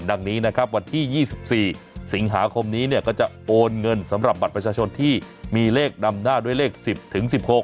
ดังนี้นะครับวันที่๒๔สิงหาคมนี้เนี่ยก็จะโอนเงินสำหรับบัตรประชาชนที่มีเลขนำหน้าด้วยเลข๑๐ถึง๑๖